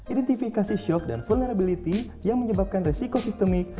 identifikasi shock dan vulnerability yang menyebabkan resiko sistemik